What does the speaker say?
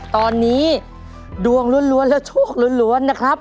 ตอนนี้ดวงล้วนและโชคล้วนนะครับ